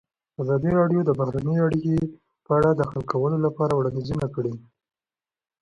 ازادي راډیو د بهرنۍ اړیکې په اړه د حل کولو لپاره وړاندیزونه کړي.